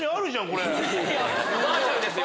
バーチャルですよ。